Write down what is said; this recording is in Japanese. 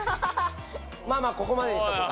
まあまあここまでにしとこうかな。